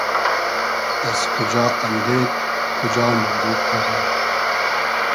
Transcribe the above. از کوجا امدېد کوجا مۉرید بئدئر؟